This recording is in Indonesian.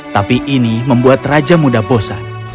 tapi ini membuat raja muda bosan